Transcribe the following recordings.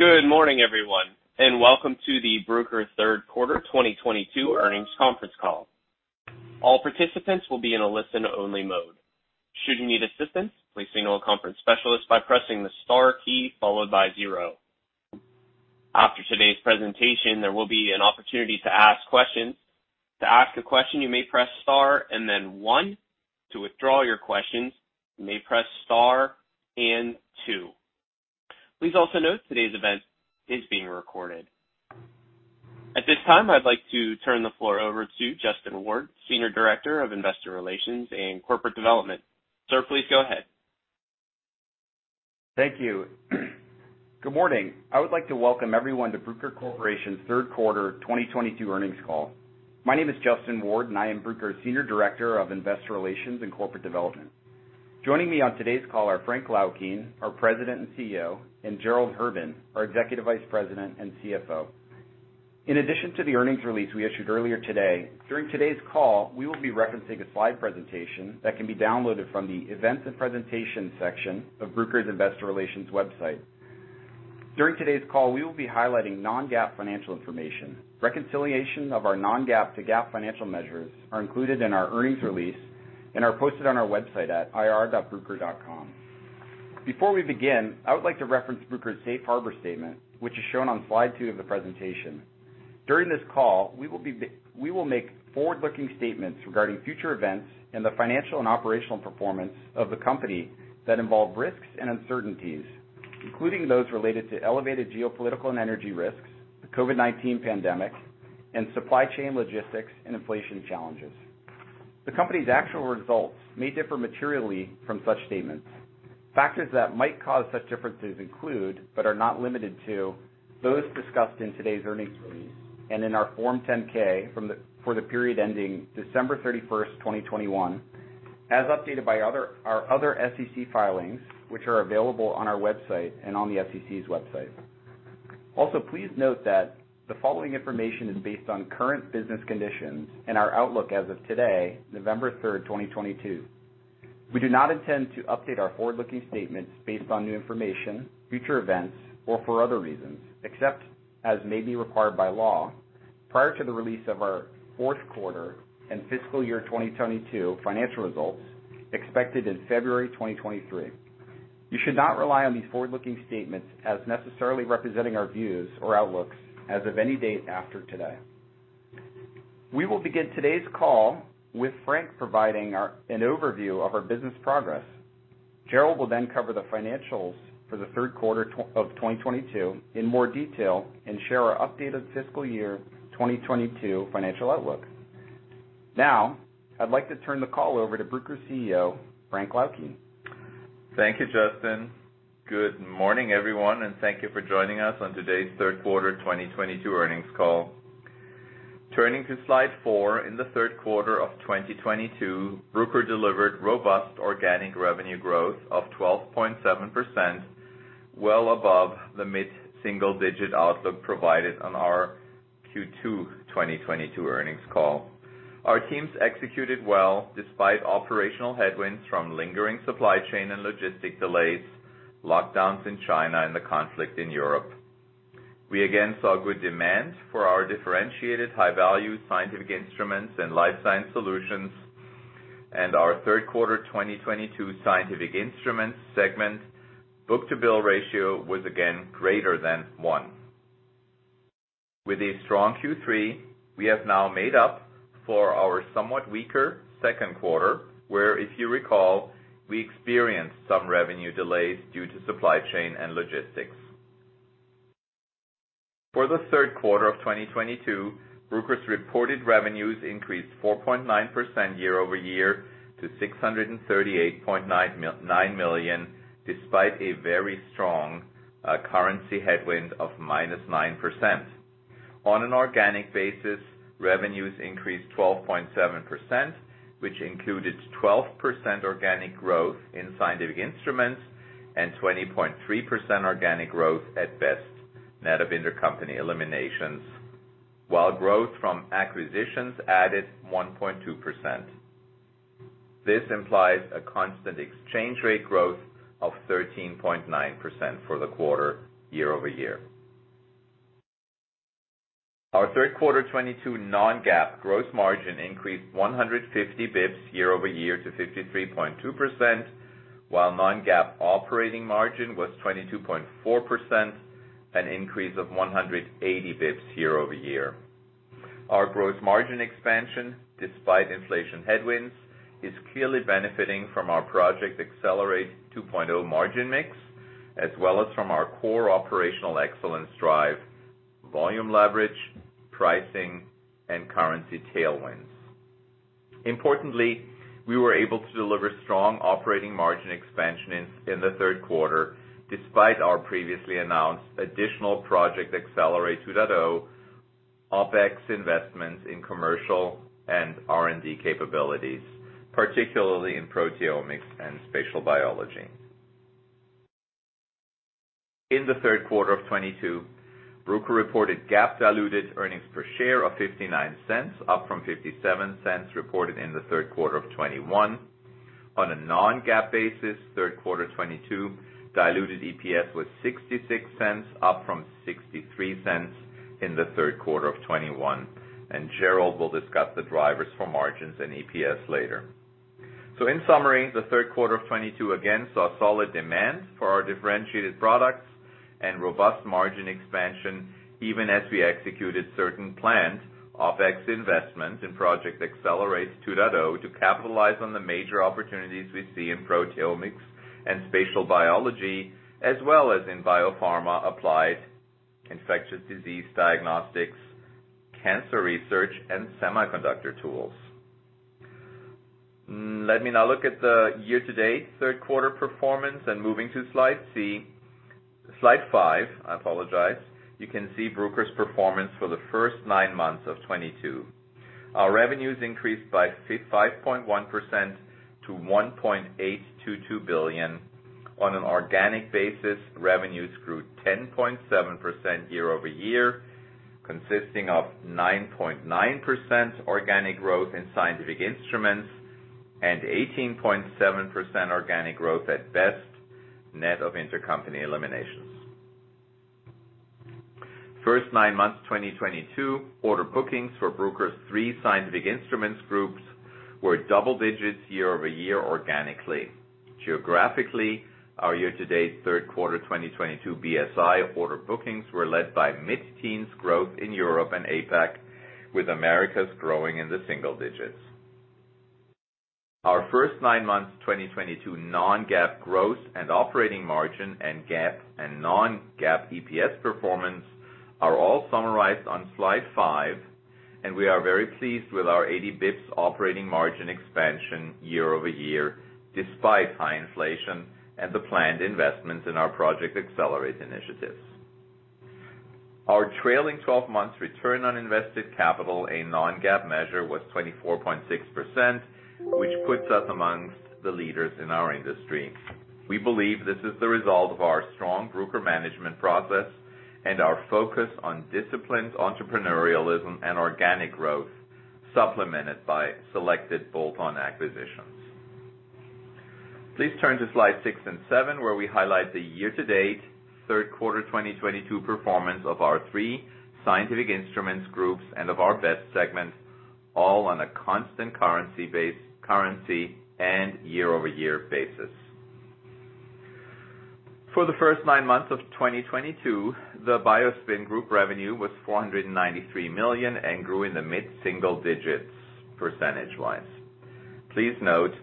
Good morning, everyone, and welcome to the Bruker third quarter 2022 earnings conference call. All participants will be in a listen-only mode. Should you need assistance, please signal a conference specialist by pressing the star key followed by zero. After today's presentation, there will be an opportunity to ask questions. To ask a question, you may press star and then one. To withdraw your questions, you may press star and two. Please also note today's event is being recorded. At this time, I'd like to turn the floor over to Justin Ward, Senior Director of Investor Relations and Corporate Development. Sir, please go ahead. Thank you. Good morning. I would like to welcome everyone to Bruker Corporation's third quarter 2022 earnings call. My name is Justin Ward, and I am Bruker's Senior Director of Investor Relations and Corporate Development. Joining me on today's call are Frank Laukien, our President and CEO, and Gerald Herman, our Executive Vice President and CFO. In addition to the earnings release we issued earlier today, during today's call, we will be referencing a slide presentation that can be downloaded from the Events and Presentation section of Bruker's Investor Relations website. During today's call, we will be highlighting non-GAAP financial information. Reconciliation of our non-GAAP to GAAP financial measures are included in our earnings release and are posted on our website at ir.bruker.com. Before we begin, I would like to reference Bruker's Safe Harbor statement, which is shown on slide 2 of the presentation. During this call, we will make forward-looking statements regarding future events and the financial and operational performance of the company that involve risks and uncertainties, including those related to elevated geopolitical and energy risks, the COVID-19 pandemic, and supply chain logistics and inflation challenges. The company's actual results may differ materially from such statements. Factors that might cause such differences include, but are not limited to, those discussed in today's earnings release and in our Form 10-K for the period ending December 31, 2021, as updated by our other SEC filings, which are available on our website and on the SEC's website. Also, please note that the following information is based on current business conditions and our outlook as of today, November 3, 2022. We do not intend to update our forward-looking statements based on new information, future events, or for other reasons, except as may be required by law, prior to the release of our fourth quarter and fiscal year 2022 financial results expected in February 2023. You should not rely on these forward-looking statements as necessarily representing our views or outlooks as of any date after today. We will begin today's call with Frank providing an overview of our business progress. Gerald Herman will then cover the financials for the third quarter of 2022 in more detail and share our updated fiscal year 2022 financial outlook. Now, I'd like to turn the call over to Bruker's CEO, Frank Laukien. Thank you, Justin. Good morning, everyone, and thank you for joining us on today's third quarter 2022 earnings call. Turning to slide four, in the third quarter of 2022, Bruker delivered robust organic revenue growth of 12.7%, well above the mid-single-digit outlook provided on our Q2 2022 earnings call. Our teams executed well despite operational headwinds from lingering supply chain and logistic delays, lockdowns in China, and the conflict in Europe. We again saw good demand for our differentiated high-value scientific instruments and life science solutions, and our third quarter 2022 scientific instruments segment book-to-bill ratio was again greater than one. With a strong Q3, we have now made up for our somewhat weaker second quarter, where, if you recall, we experienced some revenue delays due to supply chain and logistics. For the third quarter of 2022, Bruker's reported revenues increased 4.9% year-over-year to $638.9 million, despite a very strong currency headwind of -9%. On an organic basis, revenues increased 12.7%, which included 12% organic growth in scientific instruments and 20.3% organic growth at BEST, net of intercompany eliminations. While growth from acquisitions added 1.2%. This implies a constant exchange rate growth of 13.9% for the quarter year-over-year. Our third quarter 2022 non-GAAP gross margin increased 150 basis points year-over-year to 53.2%, while non-GAAP operating margin was 22.4%, an increase of 180 basis points year-over-year. Our gross margin expansion, despite inflation headwinds, is clearly benefiting from our Project Accelerate 2.0 margin mix, as well as from our core operational excellence drive, volume leverage, pricing, and currency tailwinds. Importantly, we were able to deliver strong operating margin expansion in the third quarter despite our previously announced additional Project Accelerate 2.0 OPEX investments in commercial and R&D capabilities, particularly in proteomics and spatial biology. In the third quarter of 2022, Bruker reported GAAP diluted earnings per share of $0.59, up from $0.57 reported in the third quarter of 2021. On a non-GAAP basis, third quarter 2022 diluted EPS was $0.66, up from $0.63 in the third quarter of 2021. Gerald will discuss the drivers for margins and EPS later. In summary, the third quarter of 2022 again saw solid demand for our differentiated products and robust margin expansion, even as we executed certain planned OpEx investments in Project Accelerate 2.0 to capitalize on the major opportunities we see in proteomics and spatial biology, as well as in biopharma applied infectious disease diagnostics, cancer research, and semiconductor tools. Let me now look at the year-to-date third quarter performance, moving to slide 5. I apologize. You can see Bruker's performance for the first nine months of 2022. Our revenues increased by 5.1% to $1.822 billion. On an organic basis, revenues grew 10.7% year-over-year, consisting of 9.9% organic growth in scientific instruments and 18.7% organic growth at Best, net of intercompany eliminations. First 9 months of 2022, order bookings for Bruker's three scientific instruments groups were double digits year-over-year organically. Geographically, our year-to-date third quarter 2022 BSI order bookings were led by mid-teens growth in Europe and APAC, with Americas growing in the single digits. Our first 9 months 2022 non-GAAP growth and operating margin and GAAP and non-GAAP EPS performance are all summarized on slide 5, and we are very pleased with our 80 basis points operating margin expansion year-over-year, despite high inflation and the planned investments in our Project Accelerate initiatives. Our trailing 12 months return on invested capital, a non-GAAP measure, was 24.6%, which puts us among the leaders in our industry. We believe this is the result of our strong Bruker management process and our focus on disciplined entrepreneurialism and organic growth, supplemented by selected bolt-on acquisitions. Please turn to slide 6 and 7, where we highlight the year-to-date third quarter 2022 performance of our three scientific instruments groups and of our BEST segment, all on a constant currency and year-over-year basis. For the first nine months of 2022, the BioSpin group revenue was $493 million and grew in the mid-single digits %. Please note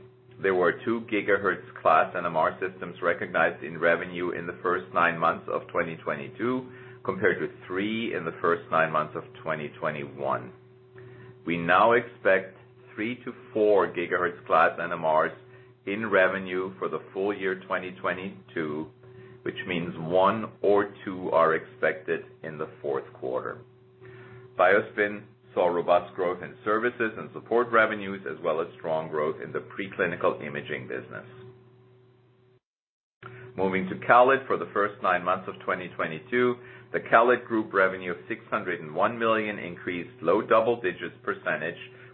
there were 2 gigahertz-class NMR systems recognized in revenue in the first nine months of 2022, compared with 3 in the first nine months of 2021. We now expect 3-4 gigahertz-class NMRs in revenue for the full year 2022, which means 1 or 2 are expected in the fourth quarter. BioSpin saw robust growth in services and support revenues, as well as strong growth in the preclinical imaging business. Moving to CALID for the first nine months of 2022, the CALID group revenue of $601 million increased low double-digits%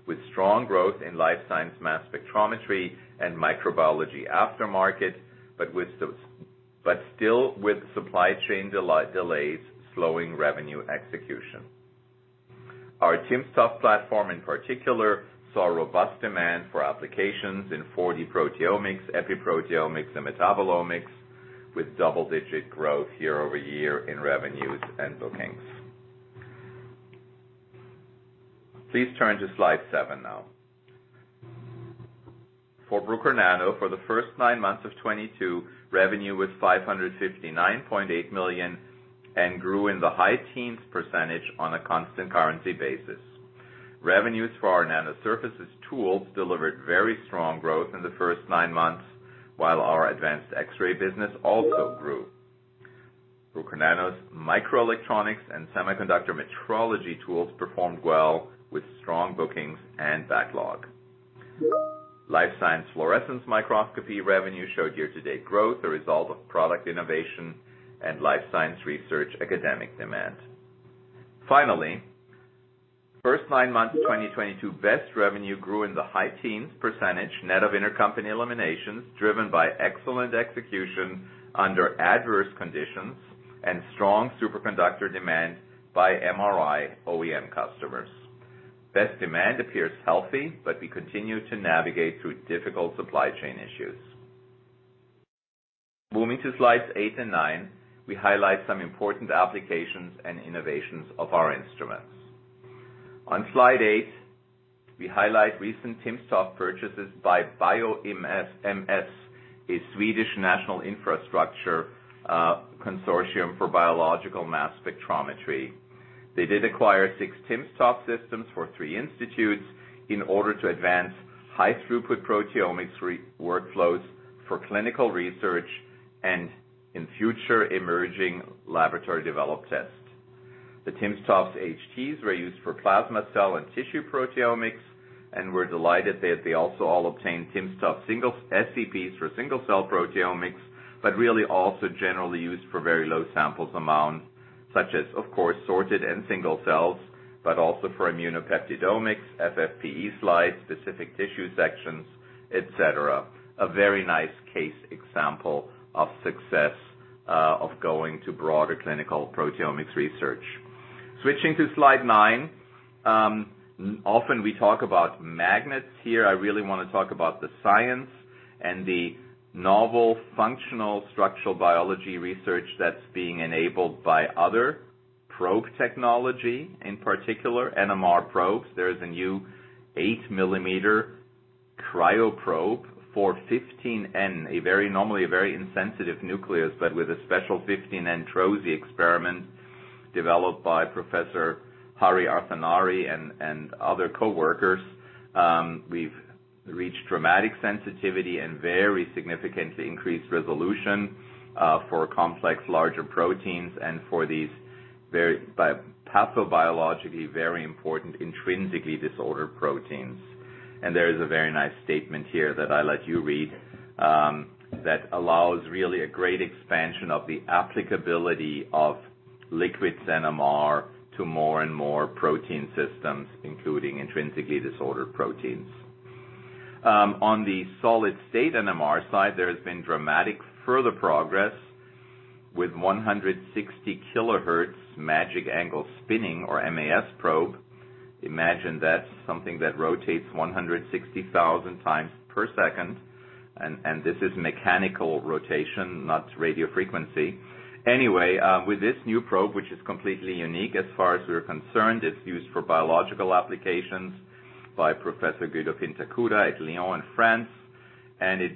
with strong growth in life science mass spectrometry and microbiology aftermarket, but still with supply chain delays, slowing revenue execution. Our timsTOF platform in particular, saw robust demand for applications in 4D proteomics, epiproteomics and metabolomics with double-digit growth year-over-year in revenues and bookings. Please turn to slide 7 now. For Bruker Nano, for the first nine months of 2022, revenue was $559.8 million and grew in the high teens% on a constant currency basis. Revenues for our Nano Surfaces tools delivered very strong growth in the first nine months, while our advanced X-ray business also grew. Bruker Nano's microelectronics and semiconductor metrology tools performed well with strong bookings and backlog. Life science fluorescence microscopy revenue showed year-to-date growth, a result of product innovation and life science research academic demand. Finally, first nine months of 2022, BEST revenue grew in the high teens% net of intercompany eliminations driven by excellent execution under adverse conditions and strong superconductor demand by MRI OEM customers. BEST demand appears healthy, but we continue to navigate through difficult supply chain issues. Moving to slides 8 and 9, we highlight some important applications and innovations of our instruments. On slide 8, we highlight recent timsTOF purchases by BioMS, a Swedish national infrastructure consortium for biological mass spectrometry. They did acquire 6 timsTOF systems for 3 institutes in order to advance high throughput proteomics workflows for clinical research and in future emerging laboratory developed tests. The timsTOF HTs were used for plasma cell and tissue proteomics, and we're delighted that they also all obtained timsTOF single SCPs for single cell proteomics, but really also generally used for very low samples amount, such as of course, sorted and single cells, but also for immunopeptidomics, FFPE slides, specific tissue sections, et cetera. A very nice case example of success of going to broader clinical proteomics research. Switching to slide 9. Often we talk about magnets. Here, I really want to talk about the science and the novel functional structural biology research that's being enabled by our probe technology, in particular NMR probes. There is a new eight millimeter cryo probe for 15N, a very insensitive nucleus, but with a special 15N TROSY experiment developed by Professor Hari Arthanari and other coworkers. We've reached dramatic sensitivity and very significantly increased resolution for complex larger proteins and for these pathobiologically very important intrinsically disordered proteins. There is a very nice statement here that I let you read that allows really a great expansion of the applicability of liquids NMR to more and more protein systems, including intrinsically disordered proteins. On the solid-state NMR side, there has been dramatic further progress with 160 kilohertz magic angle spinning or MAS probe. Imagine that's something that rotates 160,000 times per second. This is mechanical rotation, not radio frequency. Anyway, with this new probe, which is completely unique as far as we're concerned, it's used for biological applications by Professor Guido Pintacuda at Lyon in France. It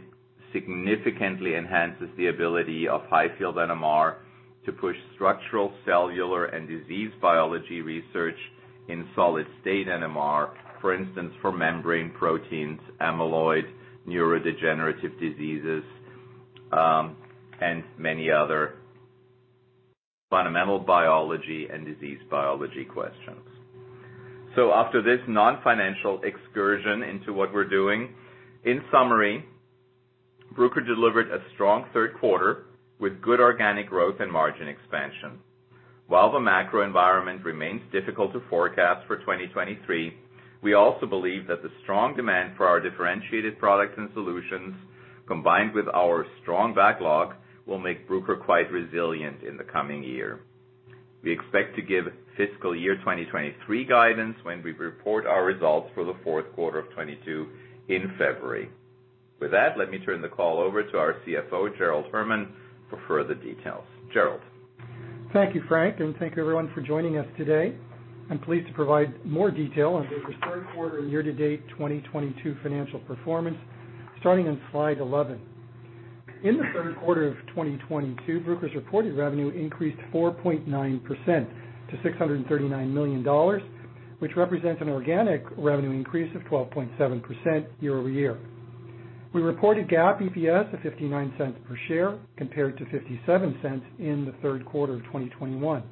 significantly enhances the ability of high-field NMR to push structural, cellular, and disease biology research in solid state NMR, for instance, for membrane proteins, amyloid, neurodegenerative diseases, and many other fundamental biology and disease biology questions. After this non-financial excursion into what we're doing, in summary, Bruker delivered a strong third quarter with good organic growth and margin expansion. While the macro environment remains difficult to forecast for 2023, we also believe that the strong demand for our differentiated products and solutions, combined with our strong backlog, will make Bruker quite resilient in the coming year. We expect to give fiscal year 2023 guidance when we report our results for the fourth quarter of 2022 in February. With that, let me turn the call over to our CFO, Gerald Herman, for further details. Gerald. Thank you, Frank, and thank you everyone for joining us today. I'm pleased to provide more detail on Bruker's third quarter and year-to-date 2022 financial performance starting on slide 11. In the third quarter of 2022, Bruker's reported revenue increased 4.9% to $639 million, which represents an organic revenue increase of 12.7% year-over-year. We reported GAAP EPS of $0.59 per share, compared to $0.57 in the third quarter of 2021.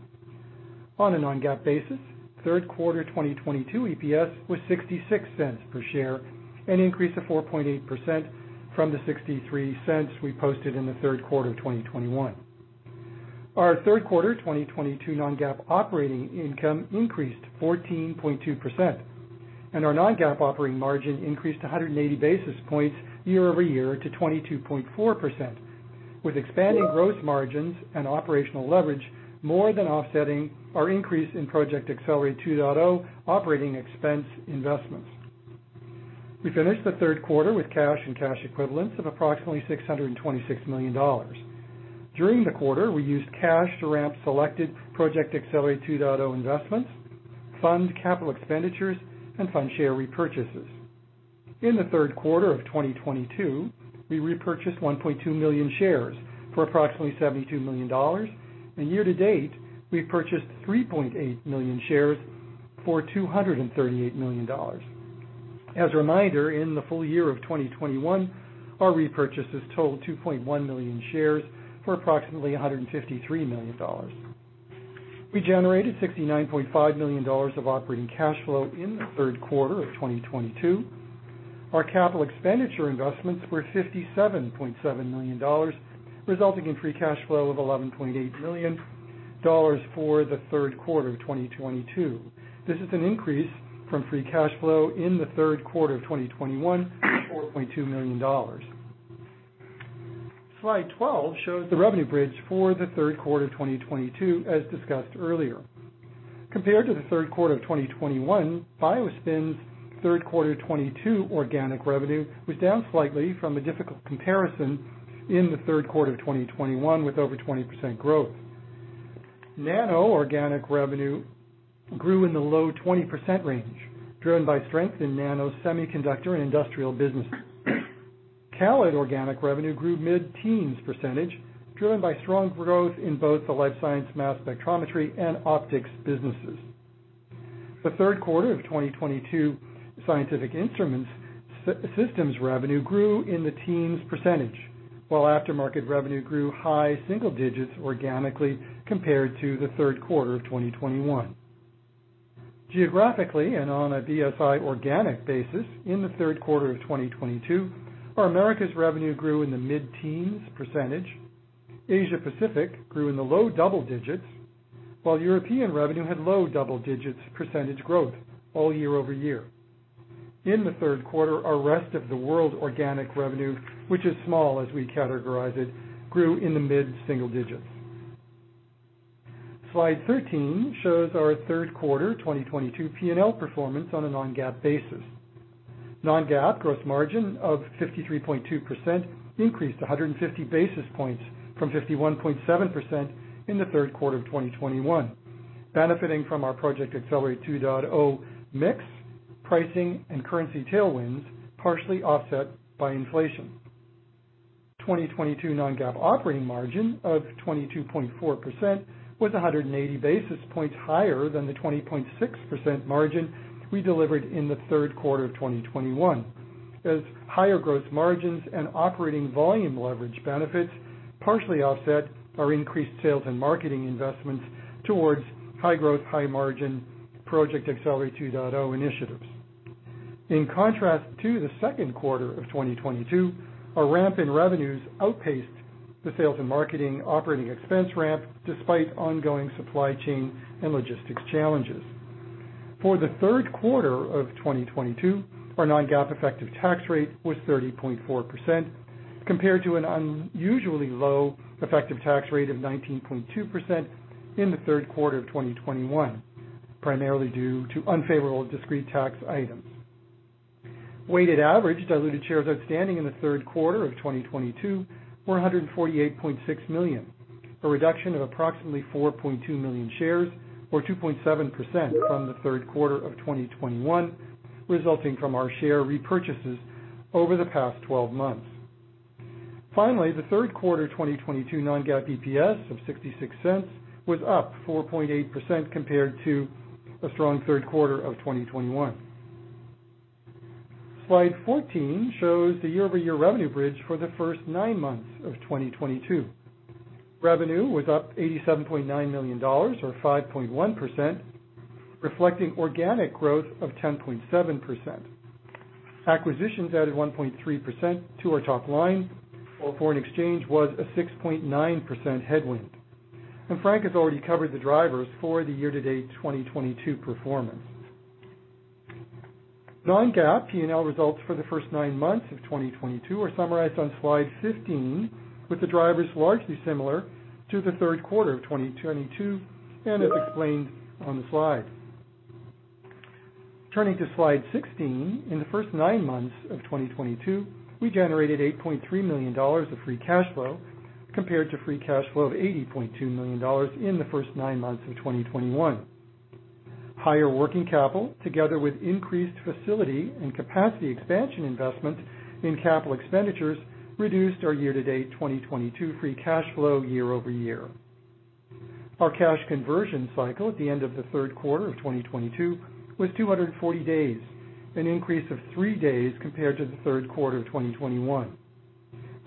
On a non-GAAP basis, third quarter 2022 EPS was $0.66 per share, an increase of 4.8% from the $0.63 we posted in the third quarter of 2021. Our third quarter 2022 non-GAAP operating income increased 14.2%, and our non-GAAP operating margin increased 180 basis points year-over-year to 22.4%. With expanding gross margins and operational leverage more than offsetting our increase in Project Accelerate 2.0 operating expense investments. We finished the third quarter with cash and cash equivalents of approximately $626 million. During the quarter, we used cash to ramp selected Project Accelerate 2.0 investments, fund capital expenditures, and fund share repurchases. In the third quarter of 2022, we repurchased 1.2 million shares for approximately $72 million. Year to date, we've purchased 3.8 million shares for $238 million. As a reminder, in the full year of 2021, our repurchases totaled 2.1 million shares for approximately $153 million. We generated $69.5 million of operating cash flow in the third quarter of 2022. Our capital expenditure investments were $57.7 million, resulting in free cash flow of $11.8 million for the third quarter of 2022. This is an increase from free cash flow in the third quarter of 2021, $4.2 million. Slide 12 shows the revenue bridge for the third quarter of 2022, as discussed earlier. Compared to the third quarter of 2021, BioSpin's third quarter 2022 organic revenue was down slightly from a difficult comparison in the third quarter of 2021 with over 20% growth. Nano organic revenue grew in the low 20% range, driven by strength in Nano's semiconductor and industrial businesses. CALID organic revenue grew mid-teens %, driven by strong growth in both the life science, mass spectrometry, and optics businesses. The third quarter of 2022 scientific instruments systems revenue grew in the teens %, while aftermarket revenue grew high single digits % organically compared to the third quarter of 2021. Geographically and on a BSI organic basis, in the third quarter of 2022, our Americas revenue grew in the mid-teens %. Asia Pacific grew in the low double digits, while European revenue had low double digits % growth all year-over-year. In the third quarter, our rest of the world organic revenue, which is small as we categorize it, grew in the mid-single digits. Slide 13 shows our third quarter 2022 P&L performance on a non-GAAP basis. Non-GAAP gross margin of 53.2% increased 150 basis points from 51.7% in the third quarter of 2021, benefiting from our Project Accelerate 2.0 mix, pricing and currency tailwinds, partially offset by inflation. 2022 non-GAAP operating margin of 22.4% was 180 basis points higher than the 20.6% margin we delivered in the third quarter of 2021, as higher gross margins and operating volume leverage benefits partially offset our increased sales and marketing investments towards high growth, high margin Project Accelerate 2.0 initiatives. In contrast to the second quarter of 2022, our ramp in revenues outpaced the sales and marketing operating expense ramp despite ongoing supply chain and logistics challenges. For the third quarter of 2022, our non-GAAP effective tax rate was 30.4% compared to an unusually low effective tax rate of 19.2% in the third quarter of 2021, primarily due to unfavorable discrete tax items. Weighted average diluted shares outstanding in the third quarter of 2022 were 148.6 million, a reduction of approximately 4.2 million shares or 2.7% from the third quarter of 2021, resulting from our share repurchases over the past 12 months. Finally, the third quarter 2022 non-GAAP EPS of $0.66 was up 4.8% compared to a strong third quarter of 2021. Slide 14 shows the year-over-year revenue bridge for the first nine months of 2022. Revenue was up $87.9 million or 5.1%, reflecting organic growth of 10.7%. Acquisitions added 1.3% to our top line, while foreign exchange was a 6.9% headwind. Frank has already covered the drivers for the year-to-date 2022 performance. Non-GAAP P&L results for the first nine months of 2022 are summarized on slide 15, with the drivers largely similar to the third quarter of 2022, and as explained on the slide. Turning to slide 16, in the first nine months of 2022, we generated $8.3 million of free cash flow compared to free cash flow of $80.2 million in the first nine months of 2021. Higher working capital, together with increased facility and capacity expansion investment in capital expenditures, reduced our year-to-date 2022 free cash flow year-over-year. Our cash conversion cycle at the end of the third quarter of 2022 was 240 days, an increase of three days compared to the third quarter of 2021.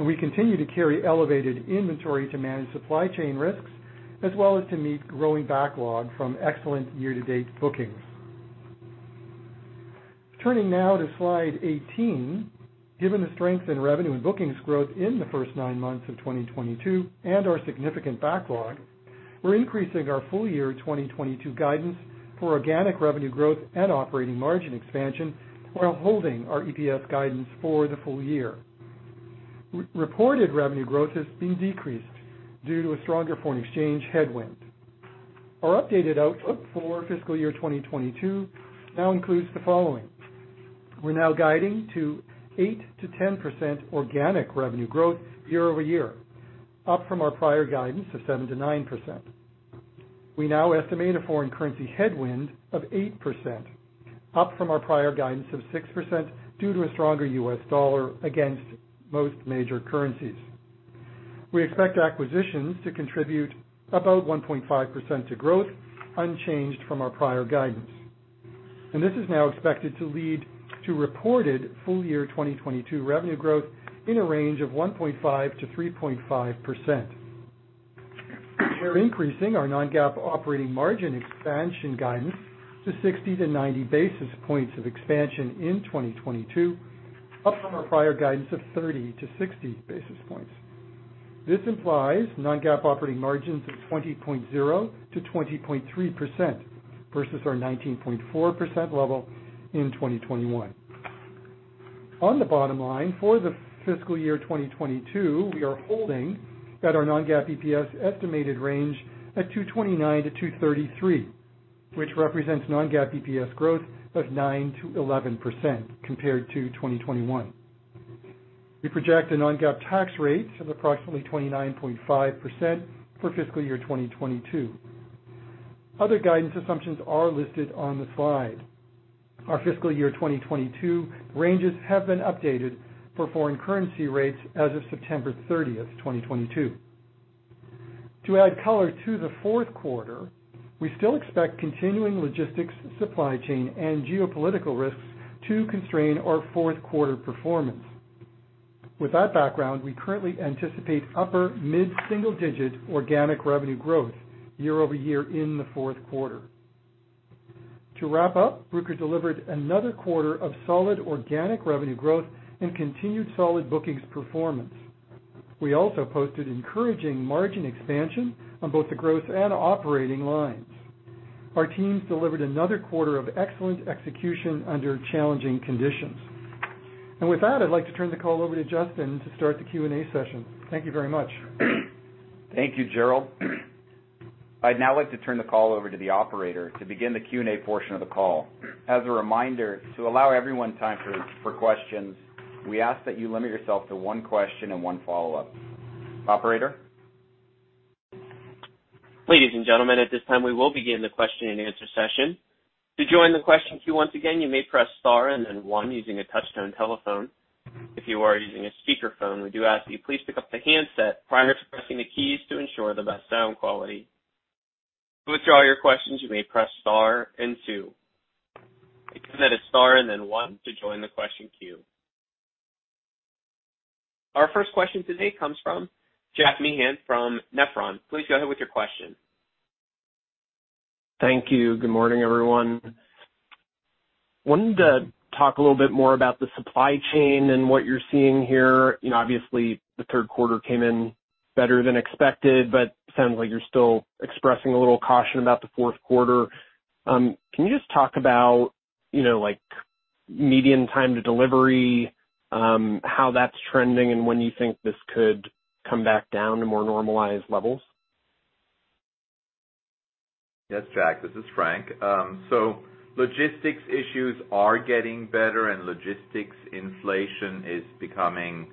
We continue to carry elevated inventory to manage supply chain risks, as well as to meet growing backlog from excellent year-to-date bookings. Turning now to slide 18, given the strength in revenue and bookings growth in the first nine months of 2022 and our significant backlog, we're increasing our full year 2022 guidance for organic revenue growth and operating margin expansion while holding our EPS guidance for the full year. Reported revenue growth has been decreased due to a stronger foreign exchange headwind. Our updated outlook for fiscal year 2022 now includes the following. We're now guiding to 8%-10% organic revenue growth year-over-year, up from our prior guidance of 7%-9%. We now estimate a foreign currency headwind of 8%, up from our prior guidance of 6% due to a stronger US dollar against most major currencies. We expect acquisitions to contribute about 1.5% to growth, unchanged from our prior guidance. This is now expected to lead to reported full year 2022 revenue growth in a range of 1.5%-3.5%. We're increasing our non-GAAP operating margin expansion guidance to 60-90 basis points of expansion in 2022, up from our prior guidance of 30-60 basis points. This implies non-GAAP operating margins of 20.0%-20.3% versus our 19.4% level in 2021. On the bottom line, for the fiscal year 2022, we are holding at our non-GAAP EPS estimated range at $2.29-$2.33, which represents non-GAAP EPS growth of 9%-11% compared to 2021. We project a non-GAAP tax rate of approximately 29.5% for fiscal year 2022. Other guidance assumptions are listed on the slide. Our fiscal year 2022 ranges have been updated for foreign currency rates as of September 30, 2022. To add color to the fourth quarter, we still expect continuing logistics, supply chain, and geopolitical risks to constrain our fourth quarter performance. With that background, we currently anticipate upper mid-single digit organic revenue growth year-over-year in the fourth quarter. To wrap up, Bruker delivered another quarter of solid organic revenue growth and continued solid bookings performance. We also posted encouraging margin expansion on both the growth and operating lines. Our teams delivered another quarter of excellent execution under challenging conditions. With that, I'd like to turn the call over to Justin to start the Q&A session. Thank you very much. Thank you, Gerald. I'd now like to turn the call over to the operator to begin the Q&A portion of the call. As a reminder, to allow everyone time for questions, we ask that you limit yourself to one question and one follow-up. Operator? Ladies and gentlemen, at this time, we will begin the question-and-answer session. To join the question queue once again, you may press star and then one using a touch-tone telephone. If you are using a speakerphone, we do ask that you please pick up the handset prior to pressing the keys to ensure the best sound quality. To withdraw your questions, you may press star and two. Again, that is star and then one to join the question queue. Our first question today comes from Jack Meehan from Nephron. Please go ahead with your question. Thank you. Good morning, everyone. Wanted to talk a little bit more about the supply chain and what you're seeing here. You know, obviously the third quarter came in better than expected, but sounds like you're still expressing a little caution about the fourth quarter. Can you just talk about, you know, like median time to delivery, how that's trending, and when you think this could come back down to more normalized levels? Yes, Jack, this is Frank. Logistics issues are getting better and logistics inflation is becoming,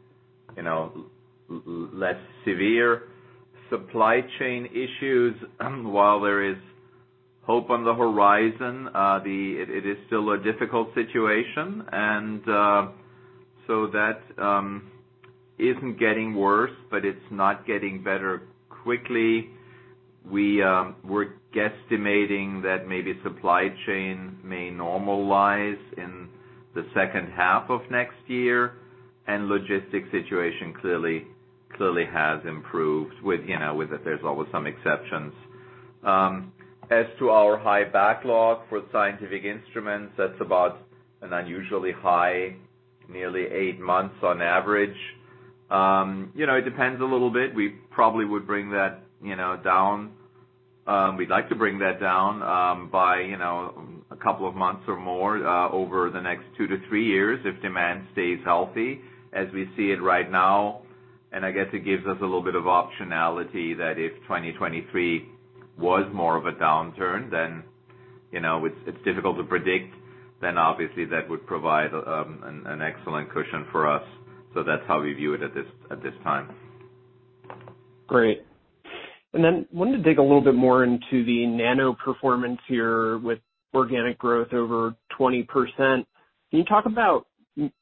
you know, less severe. Supply chain issues, while there is hope on the horizon, it is still a difficult situation and so that isn't getting worse, but it's not getting better quickly. We're guesstimating that maybe supply chain may normalize in the second half of next year, and logistics situation clearly has improved with, you know, with it, there's always some exceptions. As to our high backlog for scientific instruments, that's about an unusually high nearly eight months on average. You know, it depends a little bit. We probably would bring that, you know, down. We'd like to bring that down, by, you know, a couple of months or more, over the next 2-3 years if demand stays healthy as we see it right now. I guess it gives us a little bit of optionality that if 2023 was more of a downturn, then, you know, it's difficult to predict, then obviously that would provide an excellent cushion for us. That's how we view it at this time. Great. Then wanted to dig a little bit more into the nano performance here with organic growth over 20%. Can you talk about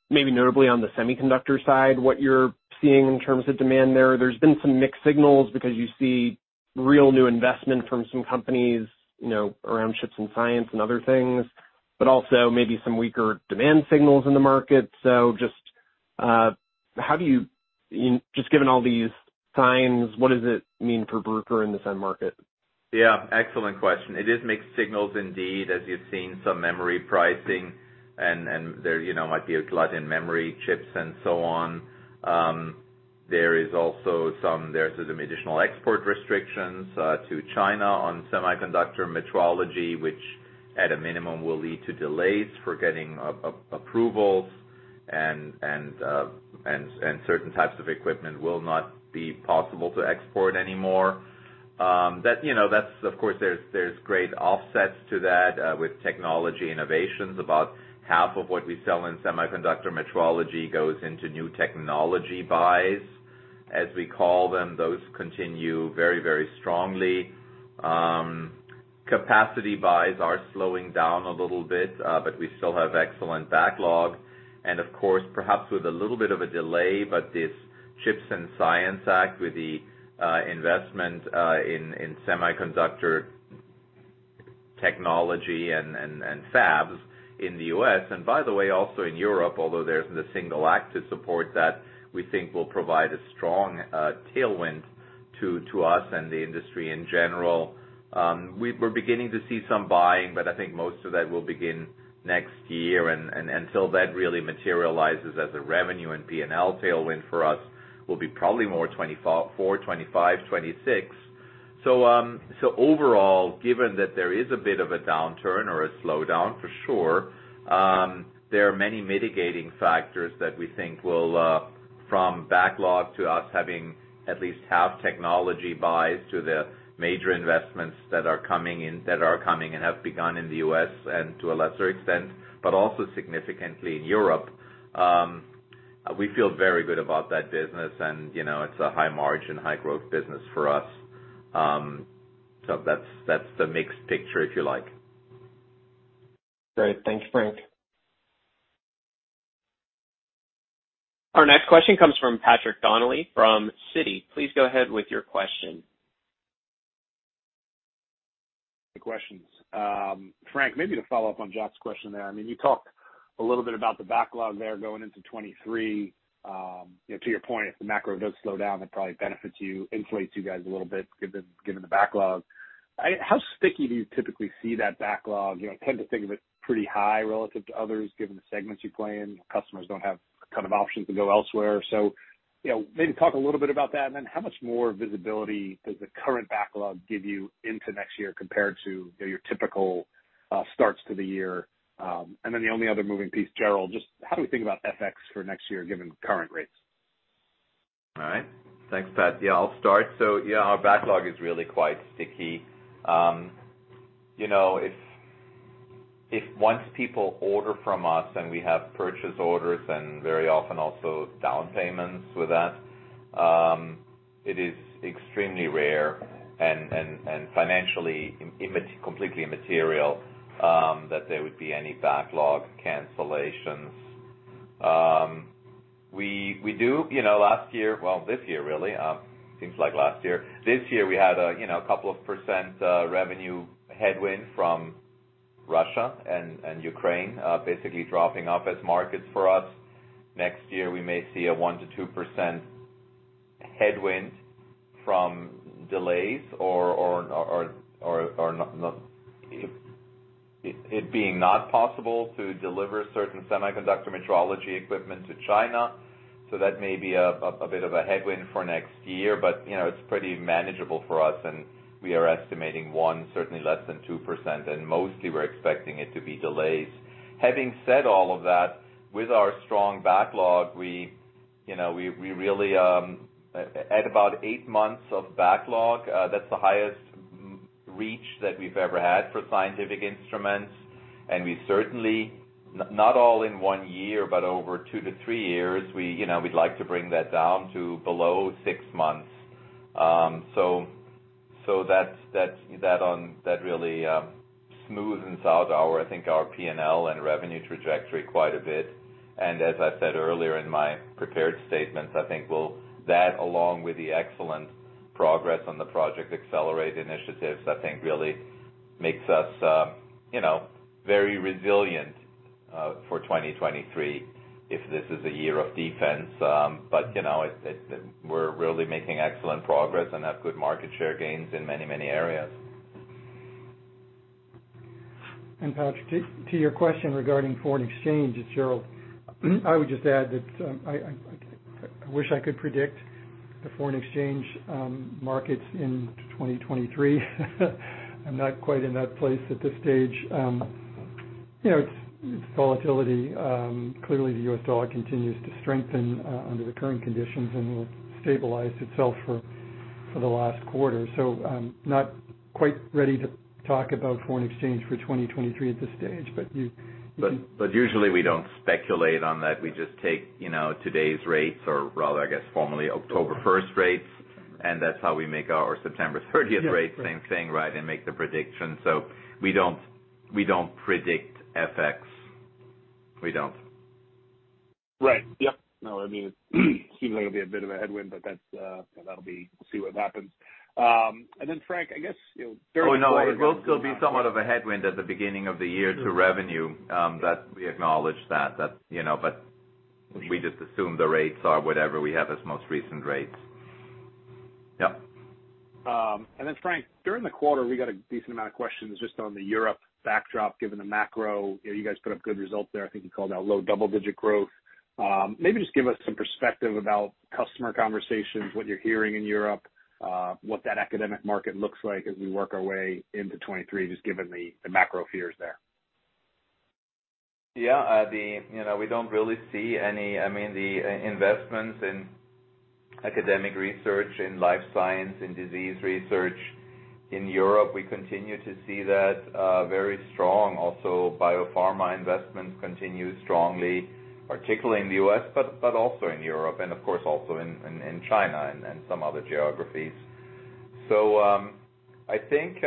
maybe notably on the semiconductor side, what you're seeing in terms of demand there? There's been some mixed signals because you see real new investment from some companies, you know, around CHIPS and Science Act and other things, but also maybe some weaker demand signals in the market. Just how do you interpret, given all these signs, what does it mean for Bruker in the SEM market? Yeah, excellent question. It is mixed signals indeed, as you've seen some memory pricing, you know, might be a glut in memory chips and so on. There is also some additional export restrictions to China on semiconductor metrology, which at a minimum will lead to delays for getting approvals and certain types of equipment will not be possible to export anymore. That, you know, that's of course. There's great offsets to that with technology innovations. About half of what we sell in semiconductor metrology goes into new technology buys, as we call them. Those continue very, very strongly. Capacity buys are slowing down a little bit, but we still have excellent backlog and of course, perhaps with a little bit of a delay, but this CHIPS and Science Act with the investment in semiconductor technology and fabs in the US, and by the way, also in Europe, although there's the CHIPS Act to support that we think will provide a strong tailwind to us and the industry in general. We're beginning to see some buying, but I think most of that will begin next year and until that really materializes as a revenue and P&L tailwind for us will be probably more 2024, 2025, 2026. Overall, given that there is a bit of a downturn or a slowdown for sure, there are many mitigating factors that we think will, from backlog to us having at least half technology buys to the major investments that are coming in and have begun in the US and to a lesser extent, but also significantly in Europe. We feel very good about that business and, you know, it's a high margin, high growth business for us. That's the mixed picture, if you like. Great. Thanks, Frank. Our next question comes from Patrick Donnelly from Citi. Please go ahead with your question. Frank, maybe to follow up on Jack's question there. I mean, you talked a little bit about the backlog there going into 2023. You know, to your point, if the macro does slow down, that probably benefits you, inflates you guys a little bit given the backlog. How sticky do you typically see that backlog? You know, I tend to think of it pretty high relative to others, given the segments you play in. Customers don't have kind of options to go elsewhere. You know, maybe talk a little bit about that. How much more visibility does the current backlog give you into next year compared to your typical starts to the year? The only other moving piece, Gerald, just how do we think about FX for next year, given current rates? All right. Thanks, Pat. Yeah, I'll start. So yeah, our backlog is really quite sticky. You know, if once people order from us and we have purchase orders and very often also down payments with that, it is extremely rare and financially immaterial, completely immaterial, that there would be any backlog cancellations. You know, last year, well, this year really, seems like last year. This year we had a, you know, a couple of % revenue headwind from Russia and Ukraine, basically dropping off as markets for us. Next year, we may see a 1%-2% headwind from delays or not, it being not possible to deliver certain semiconductor metrology equipment to China. That may be a bit of a headwind for next year, but you know, it's pretty manageable for us, and we are estimating 1%, certainly less than 2%, and mostly we're expecting it to be delays. Having said all of that, with our strong backlog, you know, we're really at about 8 months of backlog, that's the highest reach that we've ever had for scientific instruments. We certainly, not all in one year, but over 2-3 years, you know, we'd like to bring that down to below 6 months. That's really smooths out our, I think, our P&L and revenue trajectory quite a bit. As I said earlier in my prepared statements, I think that along with the excellent progress on the Project Accelerate initiatives, I think really makes us, you know, very resilient for 2023 if this is a year of defense. You know, we're really making excellent progress and have good market share gains in many areas. Patrick, to your question regarding foreign exchange, it's Gerald. I would just add that, I wish I could predict the foreign exchange markets into 2023. I'm not quite in that place at this stage. You know, it's volatility. Clearly, the US dollar continues to strengthen under the current conditions and will stabilize itself for the last quarter. I'm not quite ready to talk about foreign exchange for 2023 at this stage, but you- We just take, you know, today's rates, or rather, I guess formally October first rates, and that's how we make our September thirtieth rates, same thing, right, and make the prediction. We don't predict FX. We don't. Right. Yep. No, I mean, it seems like it'll be a bit of a headwind, but that's, that'll be. We'll see what happens. Frank, I guess, you know, during the quarter. Oh, no, it will still be somewhat of a headwind at the beginning of the year to revenue, that we acknowledge, you know, but we just assume the rates are whatever we have as most recent rates. Yep. Frank, during the quarter, we got a decent amount of questions just on the Europe backdrop, given the macro. You know, you guys put up good results there. I think you called out low double-digit growth. Maybe just give us some perspective about customer conversations, what you're hearing in Europe, what that academic market looks like as we work our way into 2023, just given the macro fears there. Yeah. You know, we don't really see any. I mean, the investments in academic research, in life science, in disease research in Europe, we continue to see that very strong. Also, biopharma investments continue strongly, particularly in the U.S., but also in Europe and of course also in China and some other geographies. I think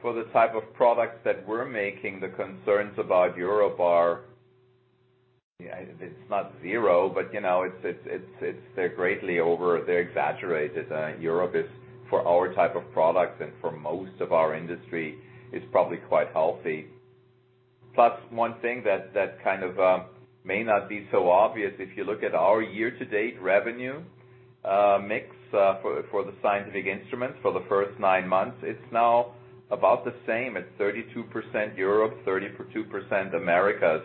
for the type of products that we're making, the concerns about Europe are. It's not zero, but you know, they're greatly exaggerated. Europe is for our type of products and for most of our industry probably quite healthy. Plus one thing that kind of may not be so obvious, if you look at our year-to-date revenue mix for the scientific instruments for the first nine months, it's now about the same. It's 32% Europe, 32% Americas.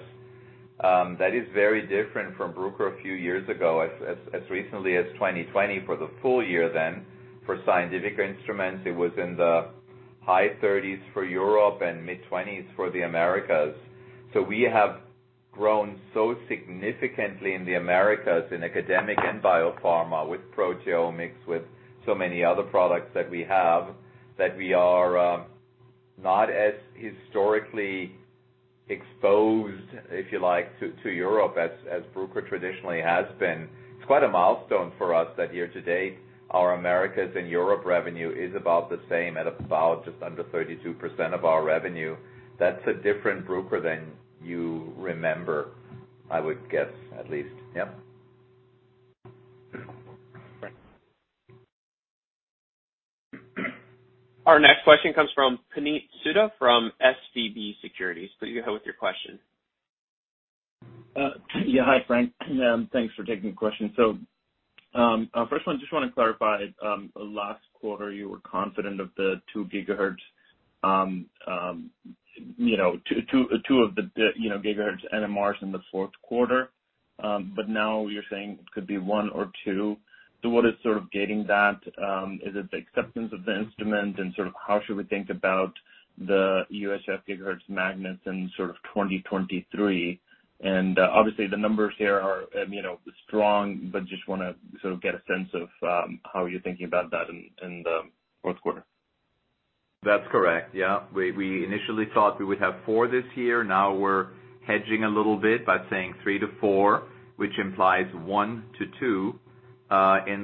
That is very different from Bruker a few years ago. As recently as 2020 for the full year, for scientific instruments, it was in the high 30s for Europe and mid-20s for the Americas. We have grown so significantly in the Americas in academic and biopharma with proteomics, with so many other products that we have, that we are not as historically exposed, if you like, to Europe as Bruker traditionally has been. It's quite a milestone for us that year-to-date our Americas and Europe revenue is about the same at about just under 32% of our revenue. That's a different Bruker than you remember, I would guess, at least. Yeah. Right. Our next question comes from Puneet Souda from SVB Securities. Please go ahead with your question. Yeah, hi, Frank. Thanks for taking the question. First one, just wanna clarify. Last quarter, you were confident of the 2 gigahertz NMRs in the fourth quarter, but now you're saying it could be 1 or 2. What is sort of gating that? Is it the acceptance of the instrument? How should we think about the UHF gigahertz magnets in 2023? Obviously, the numbers here are strong, but just wanna get a sense of how you're thinking about that in the fourth quarter. That's correct. Yeah. We initially thought we would have 4 this year. Now we're hedging a little bit by saying 3-4, which implies 1-2 in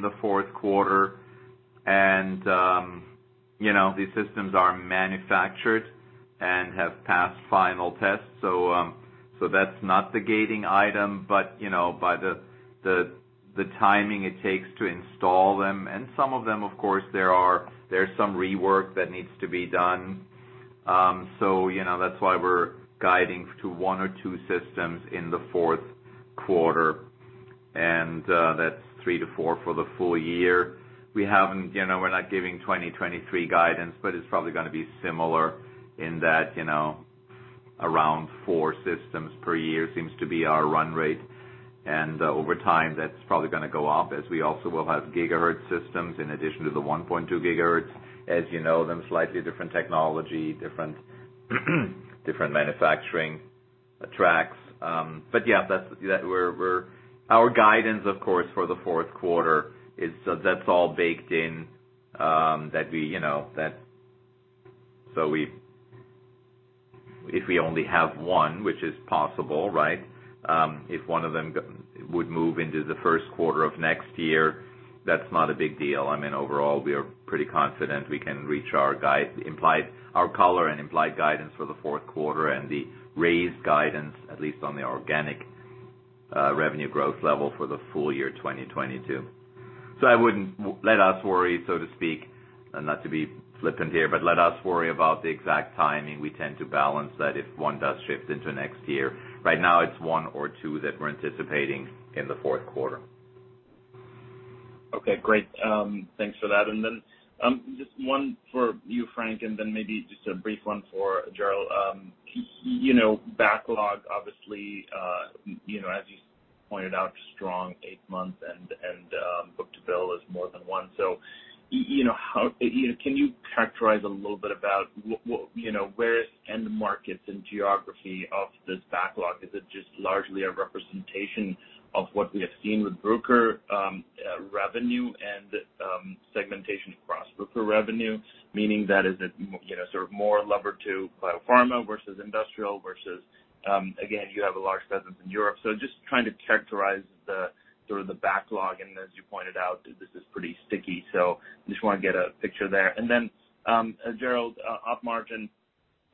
the fourth quarter. You know, these systems are manufactured and have passed final tests. That's not the gating item. You know, by the timing it takes to install them, and some of them, of course, there's some rework that needs to be done. You know, that's why we're guiding to 1 or 2 systems in the fourth quarter, and that's 3-4 for the full year. We haven't, you know, we're not giving 2023 guidance, but it's probably gonna be similar in that, you know, around 4 systems per year seems to be our run rate. Over time, that's probably gonna go up as we also will have gigahertz systems in addition to the 1.2 gigahertz. As you know, they have slightly different technology, different manufacturing tracks. But yeah, that's our guidance, of course, for the fourth quarter, so that's all baked in that we can reach our guide, our color and implied guidance for the fourth quarter and the raised guidance, at least on the organic revenue growth level for the full year 2022. I wouldn't let us worry, so to speak, and not to be flippant here, but let us worry about the exact timing. We tend to balance that if one does shift into next year. Right now it's one or two that we're anticipating in the fourth quarter. Okay, great. Thanks for that. Just one for you, Frank, and then maybe just a brief one for Gerald. You know, backlog, obviously, you know, as you pointed out, strong eight months and book-to-bill is more than one. You know, how, you know. Can you characterize a little bit about you know, where's end markets and geography of this backlog? Is it just largely a representation of what we have seen with Bruker revenue and segmentation across Bruker revenue? Meaning that is it, you know, sort of more levered to biopharma versus industrial versus, again, you have a large presence in Europe. Just trying to characterize the sort of the backlog, and as you pointed out, this is pretty sticky, so just wanna get a picture there. Gerald, op margin,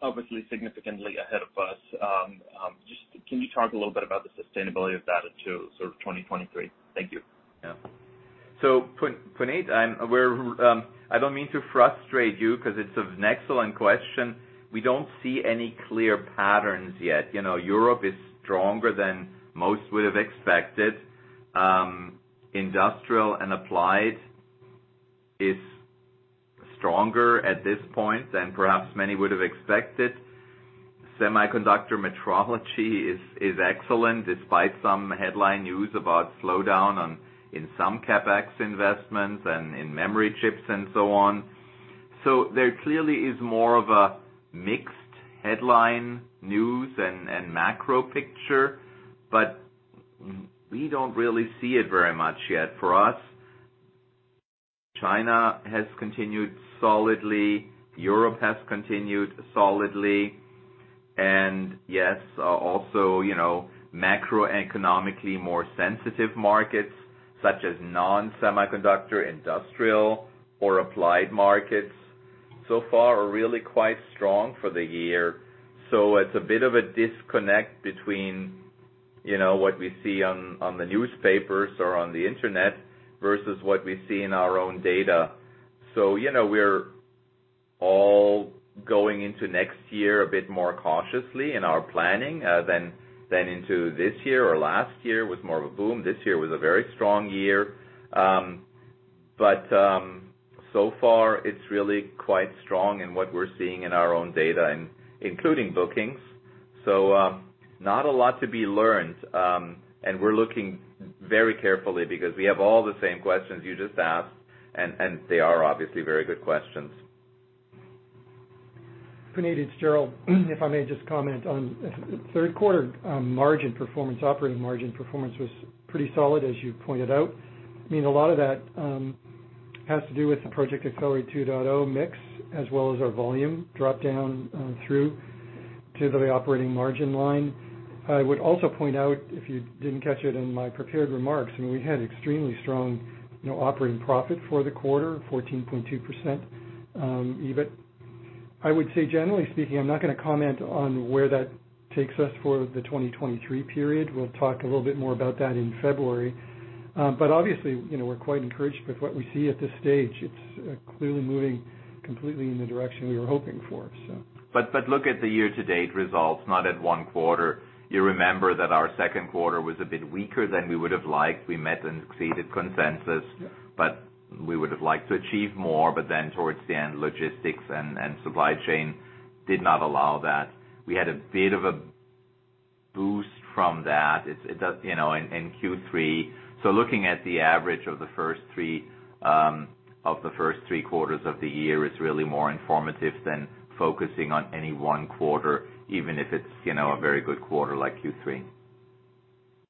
obviously significantly ahead of us. Just can you talk a little bit about the sustainability of that into sort of 2023? Thank you. Yeah. Puneet, I don't mean to frustrate you 'cause it's an excellent question. We don't see any clear patterns yet. You know, Europe is stronger than most would've expected. Industrial and applied is stronger at this point than perhaps many would've expected. Semiconductor metrology is excellent, despite some headline news about slowdown in some CapEx investments and in memory chips and so on. There clearly is more of a mixed headline news and macro picture, but we don't really see it very much yet for us. China has continued solidly. Europe has continued solidly. Yes, also, you know, macroeconomically more sensitive markets such as non-semiconductor, industrial or applied markets so far are really quite strong for the year. It's a bit of a disconnect between, you know, what we see on the newspapers or on the internet versus what we see in our own data. You know, we're all going into next year a bit more cautiously in our planning than into this year or last year with more of a boom. This year was a very strong year. So far it's really quite strong in what we're seeing in our own data, including bookings. Not a lot to be learned, and we're looking very carefully because we have all the same questions you just asked and they are obviously very good questions. Puneet, it's Gerald. If I may just comment on third quarter margin performance. Operating margin performance was pretty solid, as you pointed out. I mean, a lot of that has to do with the Project Accelerate 2.0 mix, as well as our volume drop down through to the operating margin line. I would also point out, if you didn't catch it in my prepared remarks, I mean, we had extremely strong, you know, operating profit for the quarter, 14.2% EBIT. I would say generally speaking, I'm not gonna comment on where that takes us for the 2023 period. We'll talk a little bit more about that in February. Obviously, you know, we're quite encouraged with what we see at this stage. It's clearly moving completely in the direction we were hoping for. Look at the year-to-date results, not at one quarter. You remember that our second quarter was a bit weaker than we would have liked. We met and exceeded consensus. Yeah. We would have liked to achieve more, but then towards the end, logistics and supply chain did not allow that. We had a bit of a boost from that. It does, you know, in Q3. Looking at the average of the first three quarters of the year is really more informative than focusing on any one quarter, even if it's, you know, a very good quarter like Q3.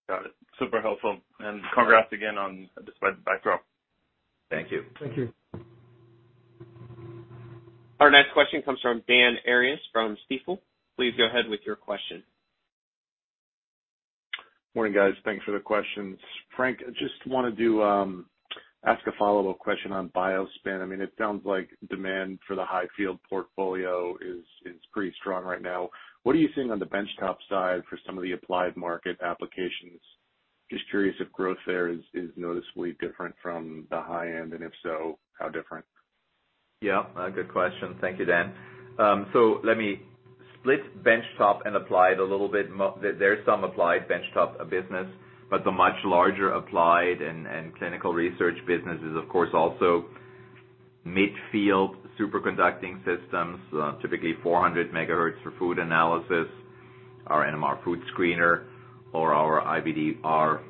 Got it. Super helpful. Congrats again on despite the backdrop. Thank you. Thank you. Our next question comes from Dan Arias from Stifel. Please go ahead with your question. Morning, guys. Thanks for the questions. Frank, I just wanted to ask a follow-up question on BioSpin. I mean, it sounds like demand for the high field portfolio is pretty strong right now. What are you seeing on the benchtop side for some of the applied market applications? Just curious if growth there is noticeably different from the high end, and if so, how different? Yeah, a good question. Thank you, Dan. Let me split benchtop and applied a little bit. There's some applied benchtop business, but the much larger applied and clinical research business is, of course, also midfield superconducting systems, typically 400 megahertz for food analysis, our NMR FoodScreener or our IVD, our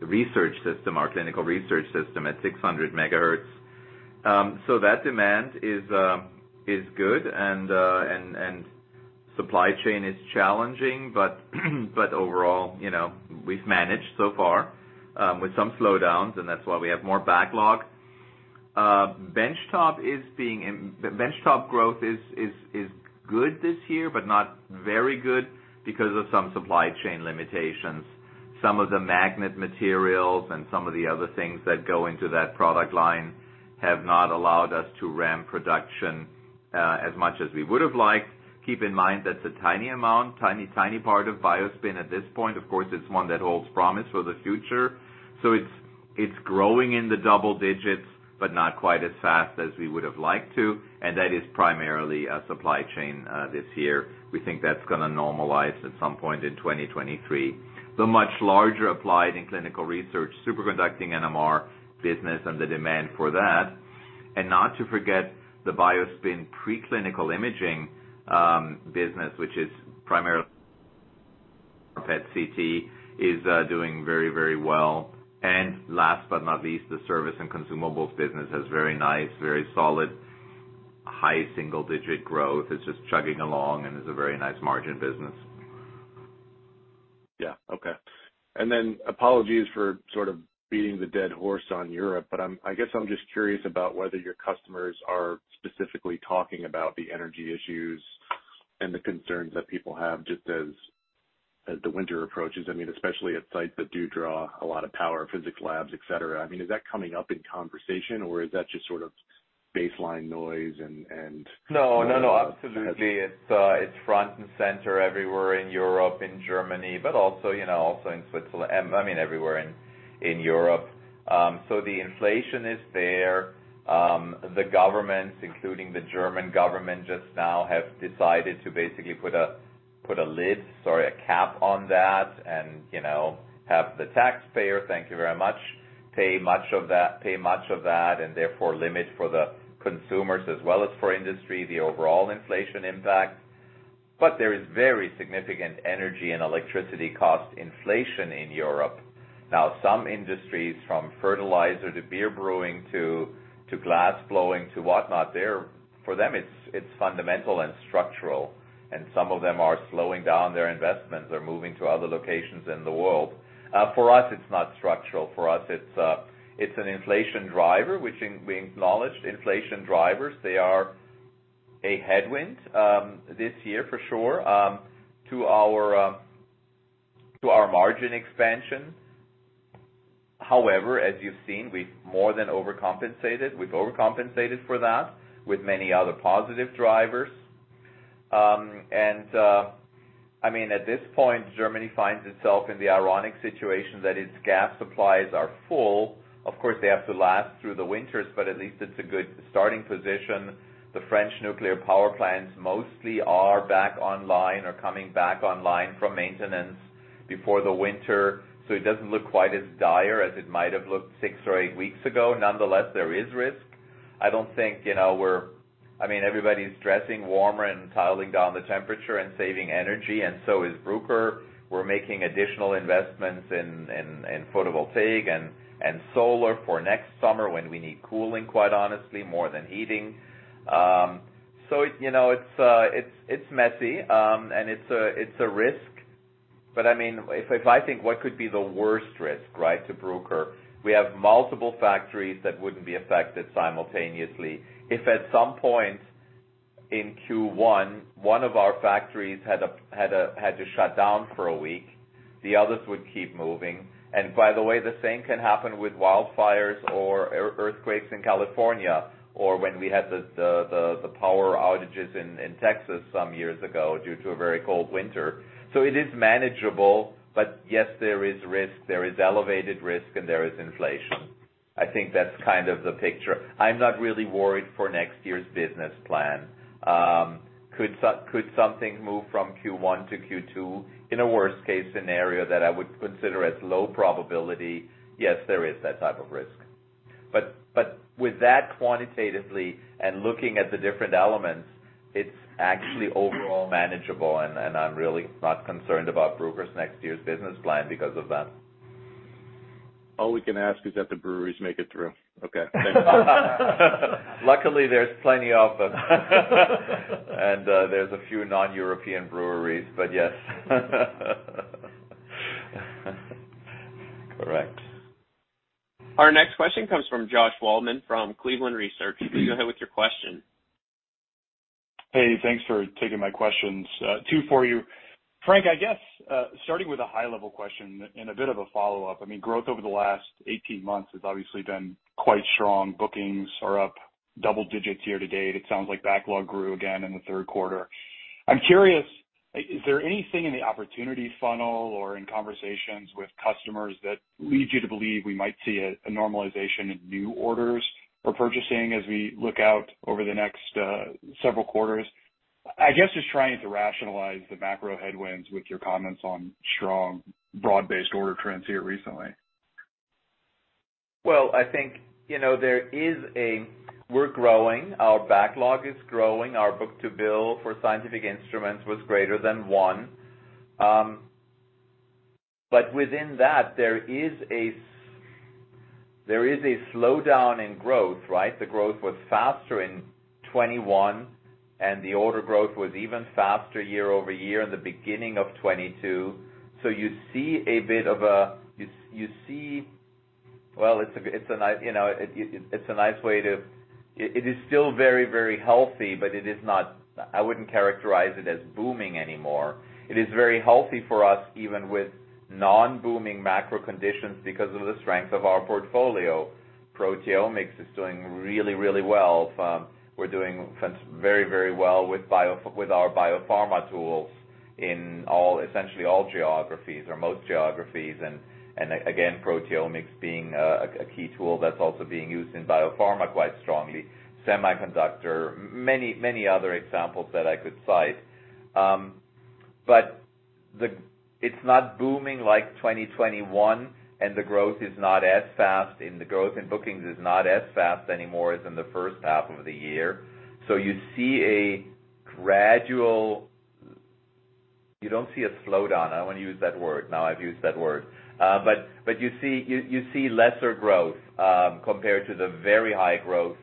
research system, our clinical research system at 600 megahertz. That demand is good and supply chain is challenging, but overall, you know, we've managed so far with some slowdowns, and that's why we have more backlog. The benchtop growth is good this year, but not very good because of some supply chain limitations. Some of the magnet materials and some of the other things that go into that product line have not allowed us to ramp production as much as we would have liked. Keep in mind, that's a tiny amount, tiny part of BioSpin at this point. Of course, it's one that holds promise for the future. It's growing in the double digits, but not quite as fast as we would have liked to, and that is primarily a supply chain this year. We think that's gonna normalize at some point in 2023. The much larger applied and clinical research superconducting NMR business and the demand for that. Not to forget the BioSpin preclinical imaging business, which is primarily PET/CT, is doing very, very well. Last but not least, the service and consumables business has very nice, very solid, high single-digit growth. It's just chugging along and is a very nice margin business. Yeah, okay. Then apologies for sort of beating the dead horse on Europe, but I guess I'm just curious about whether your customers are specifically talking about the energy issues and the concerns that people have just as the winter approaches. I mean, especially at sites that do draw a lot of power, physics labs, et cetera. I mean, is that coming up in conversation or is that just sort of baseline noise? No, no, absolutely. It's front and center everywhere in Europe, in Germany, but also, you know, also in Switzerland. I mean everywhere in Europe. The inflation is there. The governments, including the German government just now, have decided to basically put a cap on that and, you know, have the taxpayer, thank you very much, pay much of that, and therefore limit for the consumers as well as for industry, the overall inflation impact. There is very significant energy and electricity cost inflation in Europe. Now, some industries from fertilizer to beer brewing to glassblowing to whatnot, they're for them, it's fundamental and structural, and some of them are slowing down their investments. They're moving to other locations in the world. For us, it's not structural. For us, it's an inflation driver, which we acknowledged inflation drivers. They are a headwind this year for sure to our margin expansion. However, as you've seen, we've more than overcompensated. We've overcompensated for that with many other positive drivers. I mean, at this point, Germany finds itself in the ironic situation that its gas supplies are full. Of course, they have to last through the winters, but at least it's a good starting position. The French nuclear power plants mostly are back online or coming back online from maintenance before the winter. So it doesn't look quite as dire as it might have looked six or eight weeks ago. Nonetheless, there is risk. I don't think, you know. I mean, everybody's dressing warmer and dialing down the temperature and saving energy, and so is Bruker. We're making additional investments in photovoltaic and solar for next summer when we need cooling, quite honestly, more than heating. You know, it's messy, and it's a risk. I mean, if I think what could be the worst risk, right, to Bruker, we have multiple factories that wouldn't be affected simultaneously. If at some point in Q1, one of our factories had to shut down for a week, the others would keep moving. By the way, the same can happen with wildfires or earthquakes in California, or when we had the power outages in Texas some years ago due to a very cold winter. It is manageable. Yes, there is risk. There is elevated risk, and there is inflation. I think that's kind of the picture. I'm not really worried for next year's business plan. Could something move from Q1 to Q2 in a worst case scenario that I would consider as low probability? Yes, there is that type of risk. With that quantitatively and looking at the different elements, it's actually overall manageable, and I'm really not concerned about Bruker's next year's business plan because of that. All we can ask is that the breweries make it through. Okay. Luckily, there's plenty of them. There's a few non-European breweries. Yes, correct. Our next question comes from Josh Waldman from Cleveland Research. Please go ahead with your question. Hey, thanks for taking my questions. Two for you. Frank, I guess, starting with a high level question and a bit of a follow-up. I mean, growth over the last 18 months has obviously been quite strong. Bookings are up double digits year to date. It sounds like backlog grew again in the third quarter. I'm curious, is there anything in the opportunity funnel or in conversations with customers that lead you to believe we might see a normalization in new orders or purchasing as we look out over the next several quarters? I guess, just trying to rationalize the macro headwinds with your comments on strong broad-based order trends here recently. Well, I think, you know, we're growing. Our backlog is growing. Our book-to-bill for scientific instruments was greater than one. But within that, there is a slowdown in growth, right? The growth was faster in 2021, and the order growth was even faster year-over-year in the beginning of 2022. Well, you know, it's a nice way to. It is still very, very healthy. I wouldn't characterize it as booming anymore. It is very healthy for us, even with non-booming macro conditions because of the strength of our portfolio. Proteomics is doing really, really well. We're doing very, very well with our biopharma tools in all, essentially all geographies or most geographies. Again, proteomics being a key tool that's also being used in biopharma quite strongly. Semiconductor. Many other examples that I could cite. But it's not booming like 2021, and the growth is not as fast, and the growth in bookings is not as fast anymore as in the first half of the year. You see a gradual. You don't see a slowdown. I don't wanna use that word. Now I've used that word. But you see lesser growth compared to the very high growth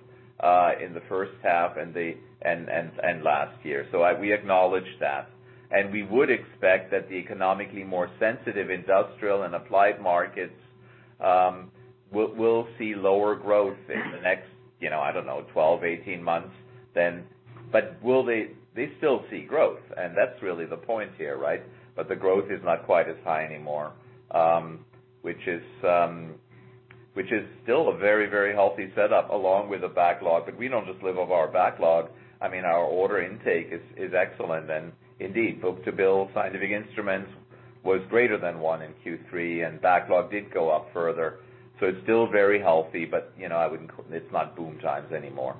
in the first half and last year. We acknowledge that. We would expect that the economically more sensitive industrial and applied markets will see lower growth in the next, you know, I don't know, 12, 18 months then. They still see growth, and that's really the point here, right? The growth is not quite as high anymore, which is still a very, very healthy setup along with the backlog. We don't just live off our backlog. I mean, our order intake is excellent. Indeed, book-to-bill scientific instruments was greater than one in Q3, and backlog did go up further. It's still very healthy, but you know, it's not boom times anymore.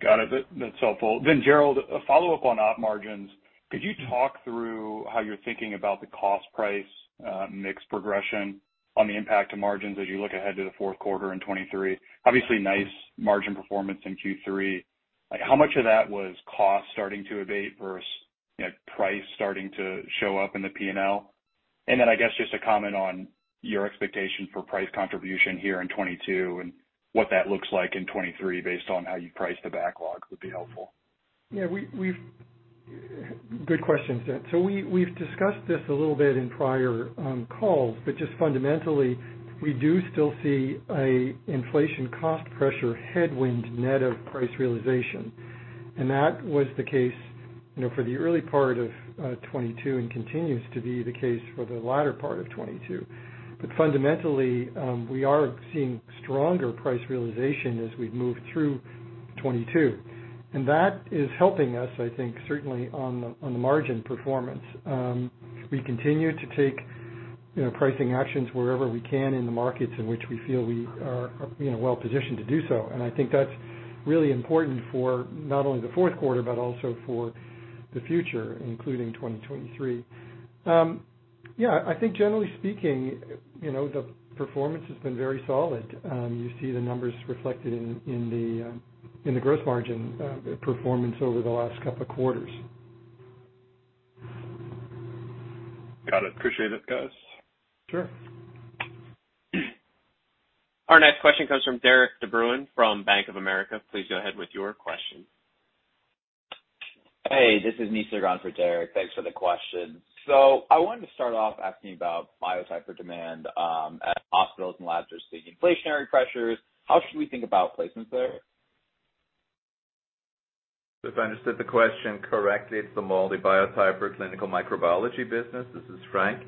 Got it. That's helpful. Gerald, a follow-up on op margins. Could you talk through how you're thinking about the cost price mix progression on the impact to margins as you look ahead to the fourth quarter in 2023? Obviously, nice margin performance in Q3. Like, how much of that was cost starting to abate versus, you know, price starting to show up in the P&L? I guess, just a comment on your expectation for price contribution here in 2022 and what that looks like in 2023 based on how you price the backlog would be helpful. Good question. We've discussed this a little bit in prior calls. Just fundamentally, we do still see an inflation cost pressure headwind net of price realization. That was the case, you know, for the early part of 2022 and continues to be the case for the latter part of 2022. Fundamentally, we are seeing stronger price realization as we've moved through 2022. That is helping us, I think, certainly on the margin performance. We continue to take, you know, pricing actions wherever we can in the markets in which we feel we are, you know, well positioned to do so. I think that's really important for not only the fourth quarter, but also for the future, including 2023. I think generally speaking, you know, the performance has been very solid. You see the numbers reflected in the growth margin performance over the last couple of quarters. Got it. Appreciate it, guys. Sure. Our next question comes from Derik De Bruin from Bank of America. Please go ahead with your question. Hey, this is Nisar in for Derik De Bruin. Thanks for the question. I wanted to start off asking about Biotyper demand at hospitals and labs are seeing inflationary pressures. How should we think about placements there? If I understood the question correctly, it's the MALDI Biotyper clinical microbiology business. This is Frank.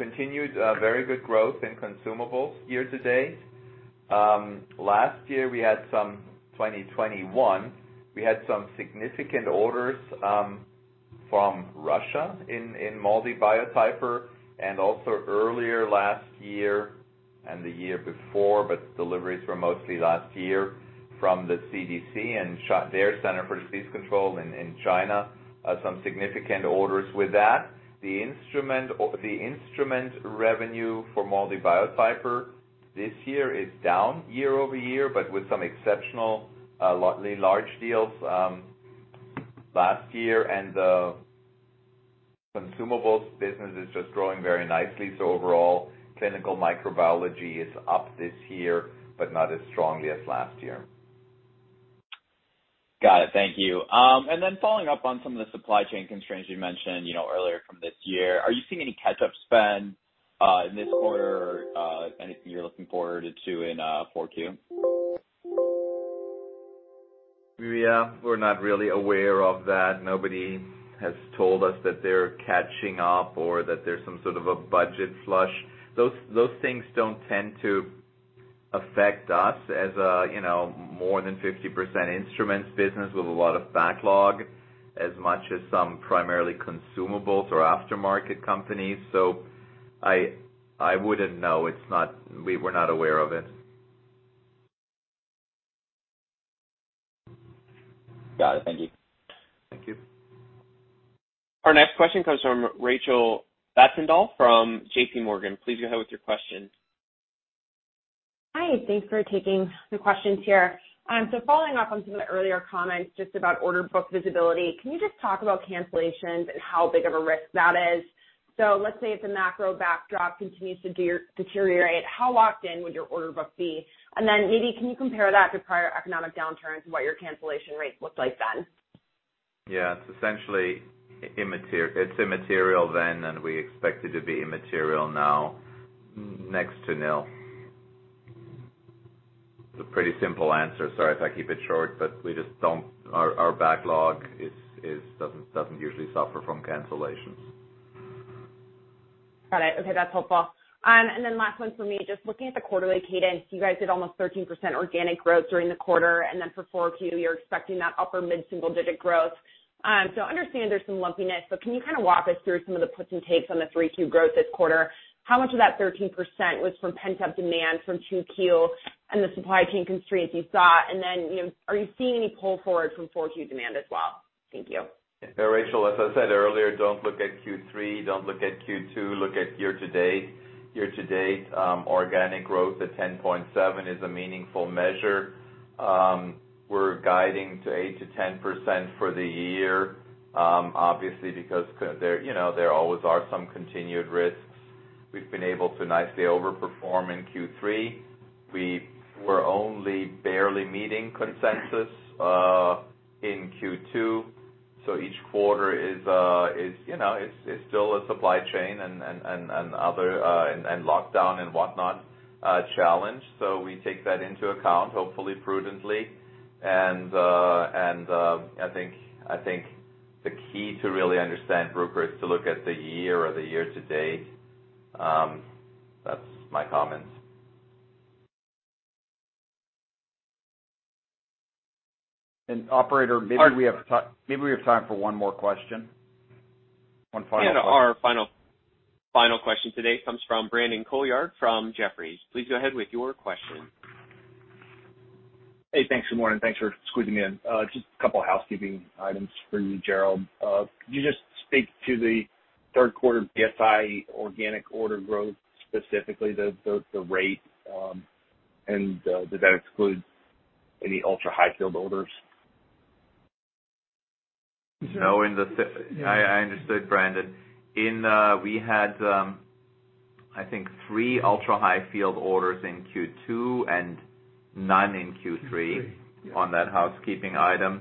Continued very good growth in consumables year-to-date. In 2021, we had some significant orders from Russia in MALDI Biotyper, and also earlier last year and the year before, but deliveries were mostly last year from the CDC and China CDC, some significant orders with that. The instrument revenue for MALDI Biotyper this year is down year-over-year, but with some exceptional large deals last year. The consumables business is just growing very nicely. Overall, clinical microbiology is up this year, but not as strongly as last year. Got it. Thank you. Following up on some of the supply chain constraints you mentioned, you know, earlier this year. Are you seeing any catch-up spend in this quarter, anything you're looking forward to in 4Q? Yeah. We're not really aware of that. Nobody has told us that they're catching up or that there's some sort of a budget flush. Those things don't tend to affect us as a, you know, more than 50% instruments business with a lot of backlog, as much as some primarily consumables or aftermarket companies. I wouldn't know. It's not. We're not aware of it. Got it. Thank you. Thank you. Our next question comes from Rachel Vatnsdal from JP Morgan. Please go ahead with your question. Hi. Thanks for taking the questions here. Following up on some of the earlier comments just about order book visibility, can you just talk about cancellations and how big of a risk that is? Let's say if the macro backdrop continues to deteriorate, how locked in would your order book be? Maybe can you compare that to prior economic downturns and what your cancellation rates looked like then? Yeah. It's essentially immaterial. It's immaterial then, and we expect it to be immaterial now. Next to nil. It's a pretty simple answer. Sorry if I keep it short, but we just don't. Our backlog doesn't usually suffer from cancellations. Got it. Okay, that's helpful. Last one for me. Just looking at the quarterly cadence, you guys did almost 13% organic growth during the quarter, and then for 4Q you're expecting that upper mid-single digit growth. Understand there's some lumpiness, but can you kind of walk us through some of the puts and takes on the 3Q growth this quarter? How much of that 13% was from pent-up demand from 2Q and the supply chain constraints you saw? And then, you know, are you seeing any pull forward from 4Q demand as well? Thank you. Yeah, Rachel, as I said earlier, don't look at Q3, don't look at Q2, look at year-to-date. Year-to-date, organic growth at 10.7 is a meaningful measure. We're guiding to 8%-10% for the year, obviously because there, you know, there always are some continued risks. We've been able to nicely overperform in Q3. We were only barely meeting consensus, in Q2. So each quarter is, you know, still a supply chain and other lockdown and whatnot challenge. So we take that into account, hopefully prudently. I think the key to really understand Bruker is to look at the year or the year-to-date. That's my comments. Operator, maybe we have time for one more question. One final question. Our final question today comes from Brandon Couillard from Jefferies. Please go ahead with your question. Hey, thanks. Good morning. Thanks for squeezing me in. Just a couple of housekeeping items for you, Gerald. Could you just speak to the third quarter BSI organic order growth, specifically the rate, and did that exclude any ultra-high field orders? No. I understood, Brandon. We had, I think, 3 ultra-high field orders in Q2 and none in Q3. Q3. On that housekeeping item.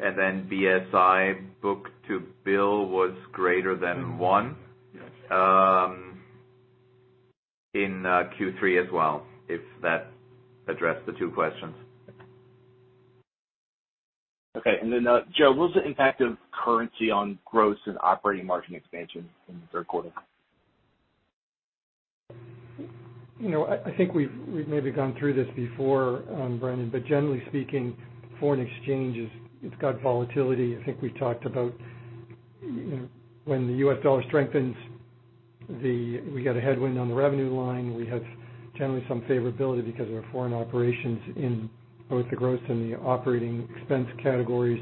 That's right. BSI book-to-bill was greater than one. Yes. In Q3 as well, if that addressed the two questions. Okay, Gerald, what was the impact of currency on gross and operating margin expansion in the third quarter? You know, I think we've maybe gone through this before, Brandon, but generally speaking, foreign exchange is. It's got volatility. I think we've talked about, you know, when the US dollar strengthens, we get a headwind on the revenue line. We have generally some favorability because of our foreign operations in both the gross and the operating expense categories,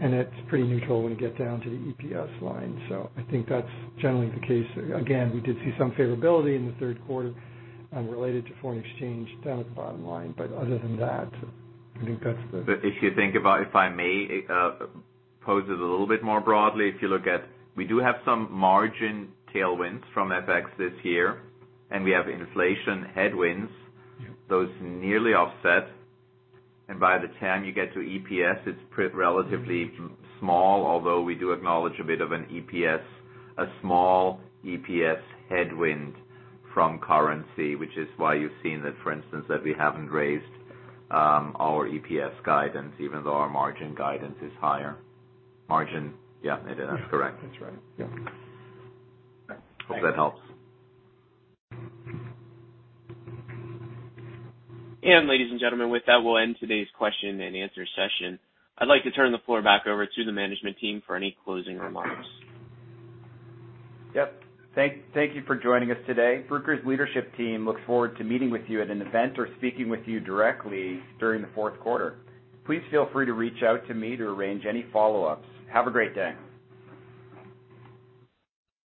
and that's pretty neutral when we get down to the EPS line. I think that's generally the case. Again, we did see some favorability in the third quarter related to foreign exchange down at the bottom line. Other than that, I think that's the If you think about, if I may, pose it a little bit more broadly. If you look at, we do have some margin tailwinds from FX this year, and we have inflation headwinds. Those nearly offset. By the time you get to EPS, it's relatively small, although we do acknowledge a bit of an EPS, a small EPS headwind from currency. Which is why you've seen that, for instance, we haven't raised our EPS guidance even though our margin guidance is higher. Margin. Yeah. That is correct. That's right. Yeah. Hope that helps. Ladies and gentlemen, with that, we'll end today's question and answer session. I'd like to turn the floor back over to the management team for any closing remarks. Yep. Thank you for joining us today. Bruker's leadership team looks forward to meeting with you at an event or speaking with you directly during the fourth quarter. Please feel free to reach out to me to arrange any follow-ups. Have a great day.